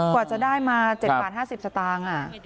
กว่าจะได้มา๗บาท๕๐สตางค์